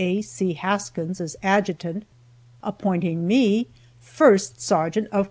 A. C. Haskins as adjutant, appointing me First Sergeant of Co.